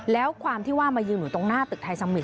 แล้วความที่ว่ามายืนอยู่ตรงหน้าตึกไทยสมิตร